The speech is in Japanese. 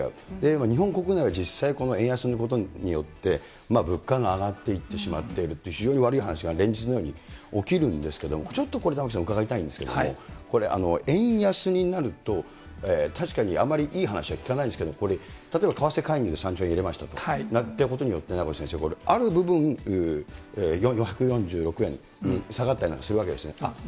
今、日本国内は実際、この円安のことによって、物価が上がっていってしまっているという、悪い話が連日のように起きるんですけれども、ちょっとこれ、玉城さん、伺いたいんですけれども、これ、円安になると、確かにあまりいい話は聞かないですけど、これ、例えば為替介入３兆円入れましたと、ということによって、名越先生、ある部分、１４６円に下がったりなんかするわけですよね。